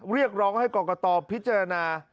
เรียกร้องให้กรกตพิจารณา